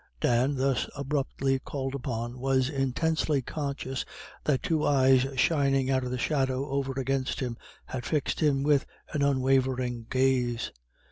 Dan, thus abruptly called upon, was intensely conscious that two eyes shining out of the shadow over against him had fixed him with an unwavering gaze.